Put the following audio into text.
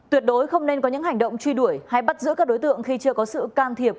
tuyệt đối không nên có những hành động truy đuổi hay bắt giữ các đối tượng khi chưa có sự can thiệp